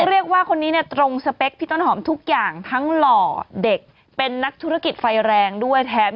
เรียกว่าคนนี้เนี่ยตรงสเปคพี่ต้นหอมทุกอย่างทั้งหล่อเด็กเป็นนักธุรกิจไฟแรงด้วยแทน